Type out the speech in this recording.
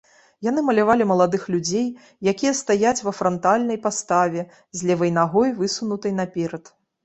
Яны малявалі маладых людзей, якія стаяць ва франтальнай паставе, з левай нагой, высунутай наперад.